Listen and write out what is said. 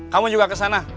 kamu juga ke sana